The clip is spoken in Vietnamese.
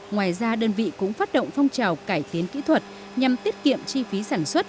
ngoài ra đơn vị cũng phát động phong trào cải tiến kỹ thuật nhằm tiết kiệm chi phí sản xuất